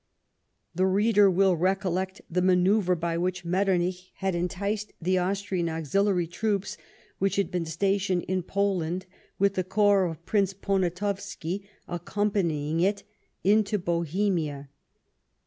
The reader will recollect the manoeuvre by which ]\Ietternich had enticed the Austrian auxiliary corps which had been stationed in Poland, with the corps of Prince Poniatowski accompanying it into Bohemia.